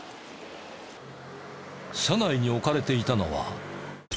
車内に置かれていたのは。